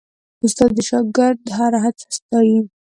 استاد د شاګرد هره هڅه ستايي.